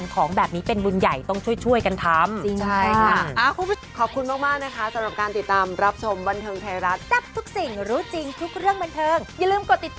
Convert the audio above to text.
กดไลค์กดแชร์